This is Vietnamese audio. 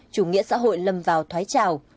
chủ nghĩa xã hội lâm vào thoái trào